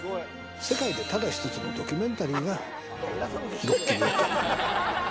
世界でただ一つのドキュメンタリーがどっきりだと。